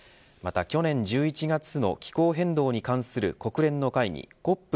また去年１１月の気候変動に関する国連の会議